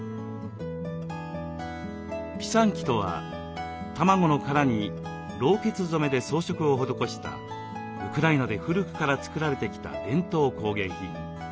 ピサンキとは卵の殻にろうけつ染めで装飾を施したウクライナで古くから作られてきた伝統工芸品。